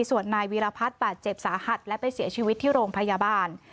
ส่วนนายวีรพัฒน์บาดเจ็บสาหัสและไปเสียชีวิตที่โรงพยาบาล